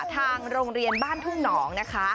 ทางโรงเรียนบ้านทุ่งหนองนะคะ